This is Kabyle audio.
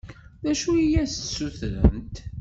D acu i as-d-ssutrent?